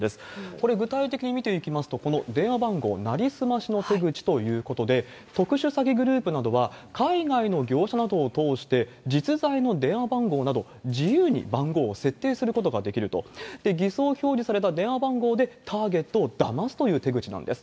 これ、具体的に見ていきますと、この電話番号成り済ましの手口ということで、特殊詐欺グループなどは海外の業者などを通して、実在の電話番号など自由に番号を設定することができると、偽装表示された電話番号でターゲットをだますという手口なんです。